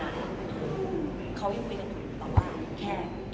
เขายังคุยกับคุณแต่ว่าแค่ก็ไม่ได้ไปเจอไม่ได้คิดว่าเขาเจอ